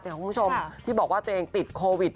คุณผู้ชมที่บอกว่าตัวเองติดโควิด